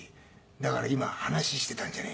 「だから今話していたんじゃねえか」。